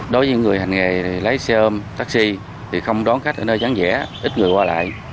đối với những người hành nghề lấy xe ôm taxi thì không đón khách ở nơi chán dẻ ít người qua lại